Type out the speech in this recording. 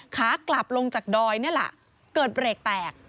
ขากลับลงจากดอยนี่แหละเกิดเบรกแตก